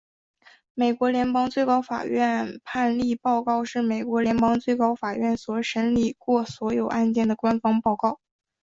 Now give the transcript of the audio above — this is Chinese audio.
美国联邦最高法院判例报告是美国联邦最高法院所审理过所有案件的官方报告。